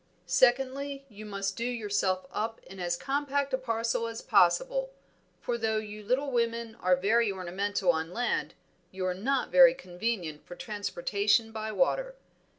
"Secondly, you must do yourself up in as compact a parcel as possible; for though you little women are very ornamental on land, you are not very convenient for transportation by water.